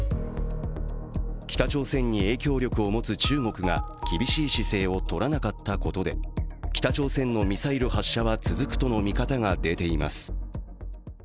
北朝鮮に影響力を持つ中国が厳しい姿勢を取らなかったことで北朝鮮のミサイル発射は続くとの見方が出ています。